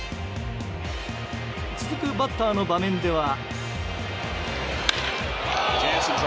続くバッターの場面では。